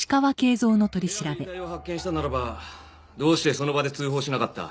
部屋で遺体を発見したならばどうしてその場で通報しなかった？